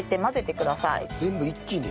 全部一気に？